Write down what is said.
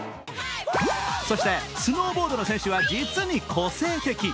そしてスノーボードの選手は実に個性的。